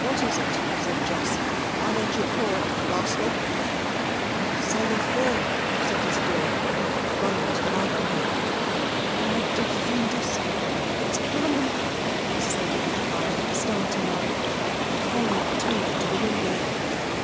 "What is it?" said Jos. "Why don't you pour, you rascal?" "Cest le feu!" said Isidor, running to the balcony. "God defend us; it's cannon!" Mrs. O'Dowd cried, starting up, and followed too to the window.